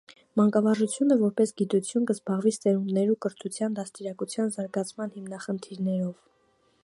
Մանկավարժութիւնը որպէս գիտութիւն կը զբաղի սերունդներու կրթութեան, դաստիարակութեան, զարգացման հիմնախնդիրներով։